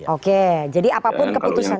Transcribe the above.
oke jadi apapun keputusan